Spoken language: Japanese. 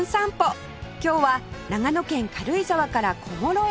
今日は長野県軽井沢から小諸へ